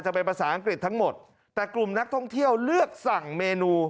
เป็นภาษาอังกฤษทั้งหมดแต่กลุ่มนักท่องเที่ยวเลือกสั่งเมนู